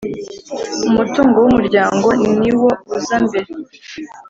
umutungo w umuryango niwo uza mber